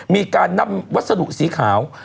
มีการนำวัสดุสีขาว